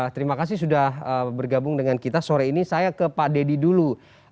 terima kasih sudah bergabung dengan kita sore ini saya ke pak deddy dulu